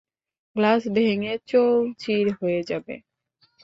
Glass ভেঙে চৌচির হয়ে যাবে!